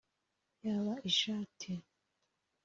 yaba ishati